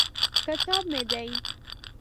کتاب مې دی.